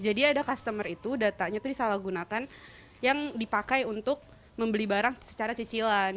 jadi ada customer itu datanya itu disalahgunakan yang dipakai untuk membeli barang secara cicilan